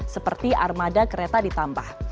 seperti armada kereta ditambah